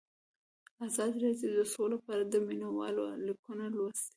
ازادي راډیو د سوله په اړه د مینه والو لیکونه لوستي.